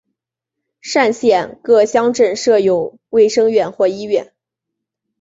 单县各乡镇设有卫生院或医院。